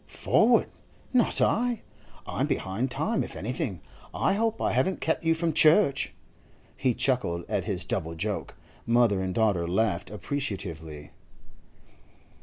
'Forward? Not I. I'm behind time if anything. I hope I haven't kept you from church.' He chuckled at his double joke. Mother and daughter laughed appreciatively.